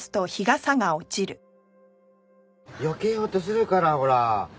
よけようとするからほら。